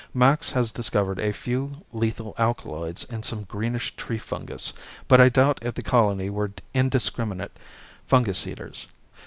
Max has discovered a few lethal alkaloids in some greenish tree fungus, but I doubt if the colony were indiscriminate fungus eaters.